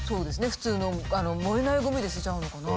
普通の燃えないゴミで捨てちゃうのかな。